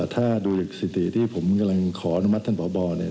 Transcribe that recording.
ถ้าดูสถิติที่ผมกำลังขออนุมัติท่านพบเนี่ย